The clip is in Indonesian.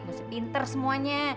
mesti pinter semuanya